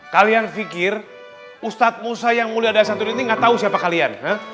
kalian pikir ustadz musa yang mulia dari asyaduddin ini gak tau siapa kalian